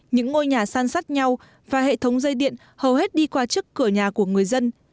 những ngôi nhà san sát nhau và hệ thống dây điện hầu hết đi qua trước cửa nhà của người dân